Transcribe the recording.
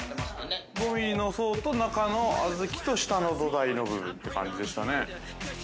◆５ミリの層と中の小豆と下の土台の部分って感じでしたね。